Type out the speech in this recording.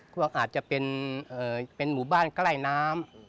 ก็อาจจะเป็นหมู่บ้านใกล้น้ำ